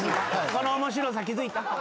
この面白さ気付いた？